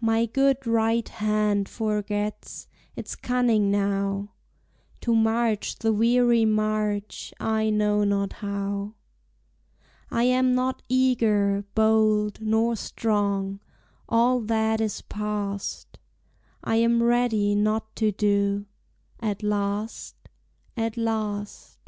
My good right hand forgets Its cunning now; To march the weary march I know not how. I am not eager, bold, Nor strong, all that is past; I am ready not to do, At last, at last.